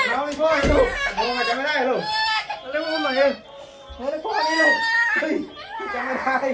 อ้าวนี่พ่ออีกหรอบ่นมาจำไม่ได้หรอนี่พ่ออีกหรอ